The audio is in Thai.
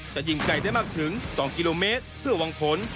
จะยิงไกลได้มากถึง๒กิโลเมตรเพื่อหวังผล